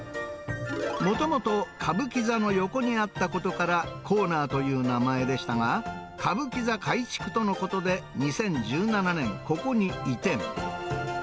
もともと歌舞伎座の横にあったことから、コーナーという名前でしたが、歌舞伎座改築とのことで、２０１７年、ここに移転。